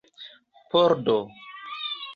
pordo